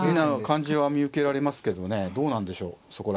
感じは見受けられますけどねどうなんでしょうそこ